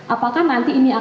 apakah nanti ini akan